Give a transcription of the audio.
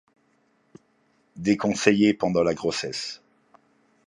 Déconseillée pendant la grossesse.